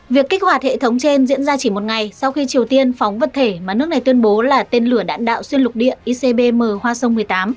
việc kích hoạt hệ thống trên diễn ra chỉ một ngày sau khi triều tiên phóng vật thể mà nước này tuyên bố là tên lửa đạn đạo xuyên lục địa icbm hoa sông một mươi tám